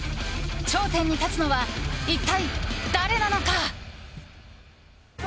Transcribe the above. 頂点に立つのは、一体誰なのか。